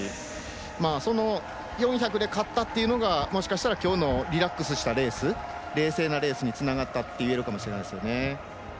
その４００で勝ったというのがもしかしたらきょうのリラックスした冷静なレースに、つながったといえるかもしれないですね。